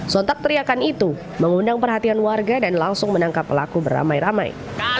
sontak teriakan itu mengundang perhatian warga dan langsung menangkap pelaku beramai ramai